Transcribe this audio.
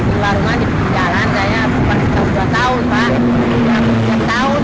itu warungan di pejalanan saya bukan setahun setahun pak